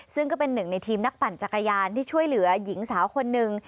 ซึ่งก็เป็นหนึ่งในทีมนักปั่นจักรยานที่ช่วยเหลือหญิงสาวคนหนึ่ง